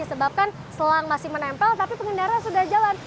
disebabkan selang masih menempel tapi pengendara sudah jalan